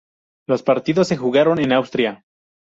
Los partidos se jugaron en Austria.